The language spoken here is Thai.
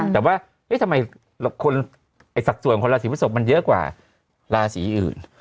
แต่ว่าทำไมสัดส่วนคนราศีพฤศพมันเยอะกว่าราศีอื่น